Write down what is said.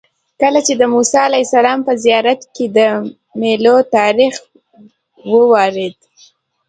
کله چې د موسی علیه السلام په زیارت کې د میلو تاریخ واورېد.